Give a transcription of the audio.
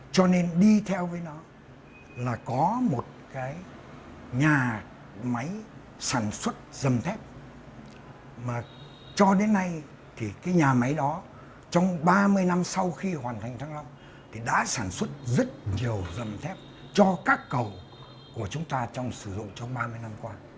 cho nên đi theo với nó là có một cái nhà máy sản xuất dầm thép mà cho đến nay thì cái nhà máy đó trong ba mươi năm sau khi hoàn thành tháng long thì đã sản xuất rất nhiều dầm thép cho các cầu của chúng ta trong sử dụng trong ba mươi năm qua